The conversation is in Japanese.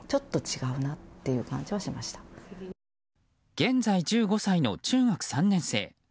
現在１５歳の中学３年生。